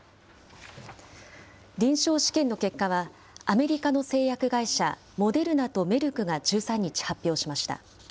臨床試験の結果は、アメリカの製薬会社、モデルナとメルクが１３日発表しました。